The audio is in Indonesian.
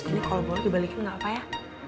ini kalau bawa dibalikin gak apa apa ya